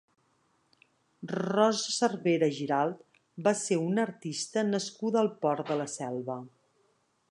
Rosa Cervera Giralt va ser una artista nascuda al Port de la Selva.